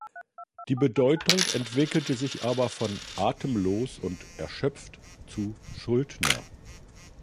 Die Bedeutung entwickelte sich aber von „atemlos“ und „erschöpft“ zu „Schuldner“.